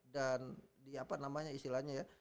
dan di apa namanya istilahnya ya